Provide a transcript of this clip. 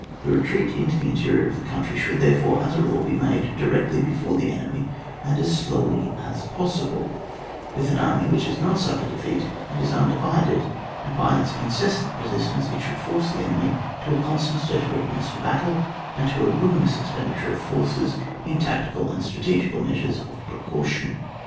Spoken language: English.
The retreat into the interior of the country should therefore as a rule be made directly before the enemy, and as slowly as possible, with an army which has not suffered defeat and is undivided ; and by its incessant resistcmce it should force the enemy to a constant state of readiness for battle, and to a ruinous expenditure of forces in tactical and strategical measiires of precaution.